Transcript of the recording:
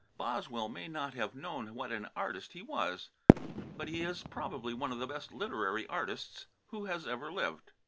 Boswell may not have known what an artist he was, but he is probably one of the best literary artists who has ever lived.